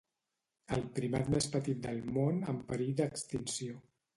El primat més petit del món en perill d'extinció